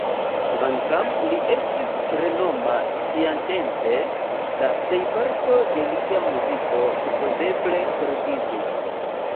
Kvankam li estis renoma siatempe, la plejparto de lia muziko supozeble perdiĝis.